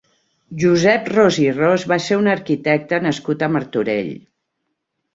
Josep Ros i Ros va ser un arquitecte nascut a Martorell.